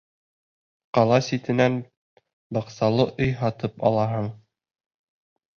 Ҡала ситенән баҡсалы өй һатып алаһың.